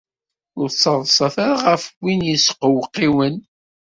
Ur ttaḍsat ara ɣef win yesqewqiwen.